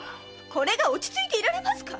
これが落ち着いていられますか！